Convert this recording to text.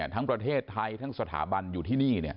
ทั้งประเทศไทยทั้งสถาบันอยู่ที่นี่